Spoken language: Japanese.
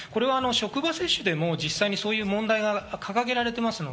これは職場接種でも実際にそういう問題が掲げられています。